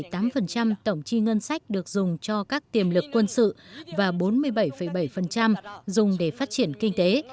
trong số này tổng chi ngân sách được dùng cho các tiềm lực quân sự và bốn mươi bảy bảy dùng để phát triển kinh tế